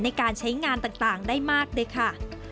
ในการใช้งานต่างได้มากด้วยค่ะ